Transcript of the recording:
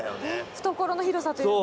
懐の広さというか。